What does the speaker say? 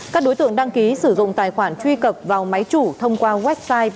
các đối tượng đăng ký sử dụng tài khoản truy cập vào máy chủ thông qua website